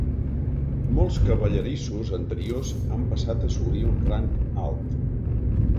Molts cavallerissos anteriors han passat a assolir un rang alt.